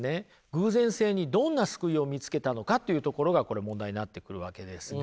偶然性にどんな救いを見つけたのかというところがこれ問題になってくるわけですが。